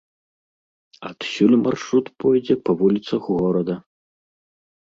Адсюль маршрут пойдзе па вуліцах горада.